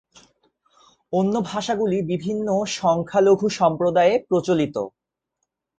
অন্য ভাষাগুলি বিভিন্ন সংখ্যালঘু সম্প্রদায়ে প্রচলিত।